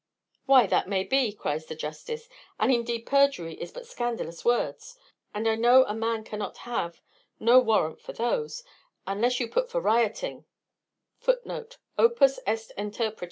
"Why, that may be," cries the justice, "and indeed perjury is but scandalous words, and I know a man cannot have no warrant for those, unless you put for rioting [Footnote: _Opus est interprete.